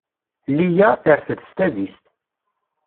Liya terfed s tadist.